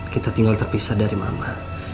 kita tinggal terpisah dari mama